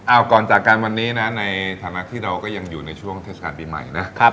เอาก่อนจากกันวันนี้นะในฐานะที่เราก็ยังอยู่ในช่วงเทศกาลปีใหม่นะ